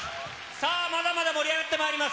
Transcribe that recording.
さあ、まだまだ盛り上がってまいります。